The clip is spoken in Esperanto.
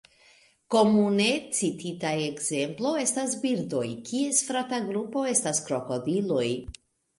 Komune citita ekzemplo estas birdoj, kies frata grupo estas krokodiloj.